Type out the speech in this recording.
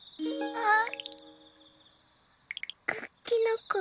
あっ。